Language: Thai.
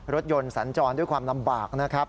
รถยนต์สัญจรด้วยความลำบากนะครับ